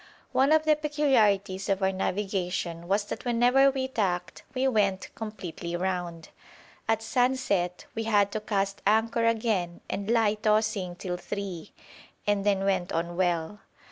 One of the peculiarities of our navigation was that whenever we tacked we went completely round. At sunset we had to cast anchor again, and lie tossing till three, and then went on well.